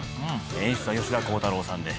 演出は吉田鋼太郎さんで。